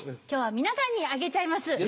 今日は皆さんにあげちゃいます。